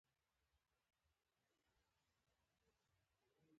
د همدې لپاره د علم ترلاسی فرض ښودل شوی دی.